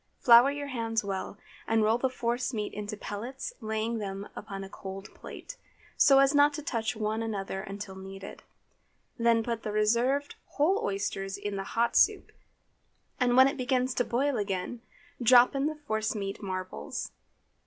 Flour your hands well and roll the force meat into pellets, laying them upon a cold plate, so as not to touch one another until needed. Then put the reserved whole oysters into the hot soup, and when it begins to boil again, drop in the force meat marbles.